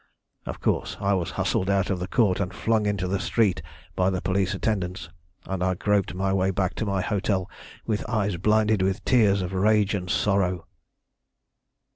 "Of course I was hustled out of the court and flung into the street by the police attendants, and I groped my way back to my hotel with eyes blinded with tears of rage and sorrow.